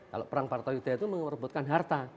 kalau perang parta yuda itu merebutkan harta